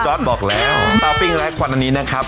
บอกแล้วตาปิ้งไร้ควันอันนี้นะครับ